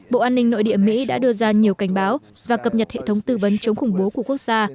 bộ an ninh nội địa mỹ đã đưa ra nhiều cảnh báo và cập nhật hệ thống tư vấn chống khủng bố của quốc gia